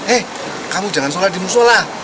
eh kamu jangan sholat di musola